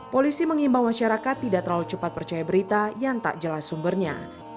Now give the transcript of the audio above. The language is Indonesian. polisi mengimbau masyarakat tidak terlalu cepat percaya berita yang tak jelas sumbernya